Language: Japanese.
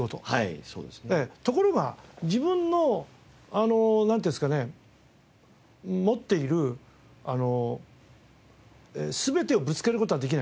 ところが自分のなんていうんですかね持っている全てをぶつける事はできないわけですよ。